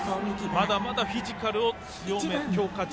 まだまだフィジカルを強め強化中。